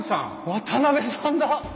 渡さんだ！